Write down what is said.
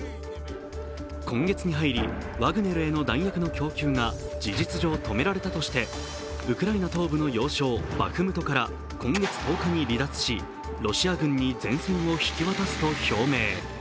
今月に入りワグネルへの弾薬の供給が事実上、止められたとしてウクライナ東部の要衝バフムトから今月１０日に離脱し、ロシア軍に前線を引き渡すと表明。